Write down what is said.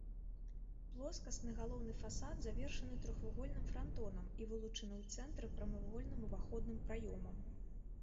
Плоскасны галоўны фасад завершаны трохвугольным франтонам і вылучаны ў цэнтры прамавугольным уваходным праёмам.